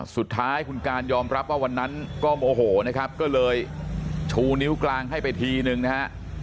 สุดท้ายคุณการยอมรับว่าวันนั้นก็โมโหนะครับก็เลยชูนิ้วกลางให้ไปทีนึงนะฮะ